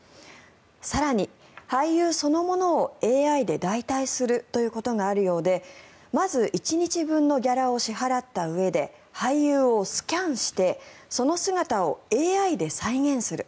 更に、俳優そのものをＡＩで代替するということがあるようでまず１日分のギャラを支払ったうえで俳優をスキャンしてその姿をＡＩで再現する。